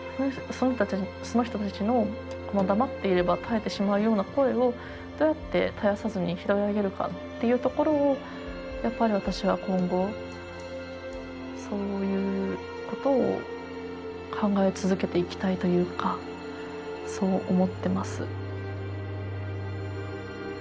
その人たちの黙っていれば絶えてしまうような声をどうやって絶やさずに拾い上げるかっていうところをやっぱり私は今後そういうことを考え続けていきたいというかそう思ってます。